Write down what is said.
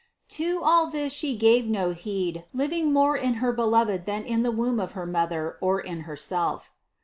To all this She gave no heed, living more in her Be loved than in the womb of her mother or in Herself.